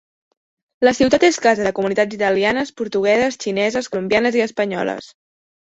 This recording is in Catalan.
La ciutat és casa de comunitats italianes, portugueses, xineses, colombianes i espanyoles.